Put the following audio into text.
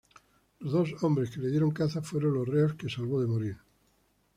Los dos hombres que le dieron caza fueron los reos que salvó de morir.